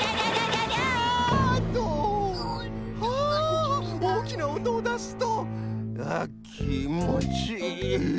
あおおきなおとをだすとあきんもちいい。